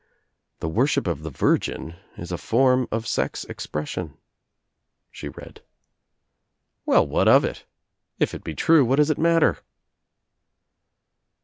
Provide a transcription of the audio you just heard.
"The worship of the Virgin it a form of sex expression," she read, "Well what of it? If it be true what does it mat ter?"